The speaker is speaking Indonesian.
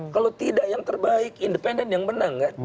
kalau tidak yang terbaik independen yang menang kan